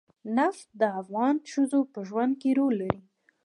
نفت د افغان ښځو په ژوند کې رول لري.